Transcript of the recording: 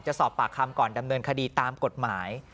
สอบปากคำก่อนดำเนินคดีตามกฎหมาย